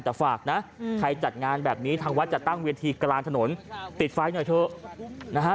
แต่ฝากนะใครจัดงานแบบนี้ทางวัดจะตั้งเวทีกลางถนนติดไฟหน่อยเถอะนะฮะ